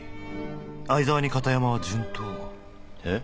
相沢に片山は順当えっ？